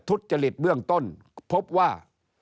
ทุจริตเบื้องต้นพบว่า